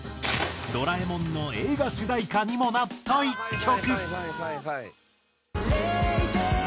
『ドラえもん』の映画主題歌にもなった１曲。